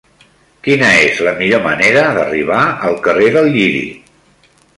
Quina és la millor manera d'arribar al carrer del Lliri?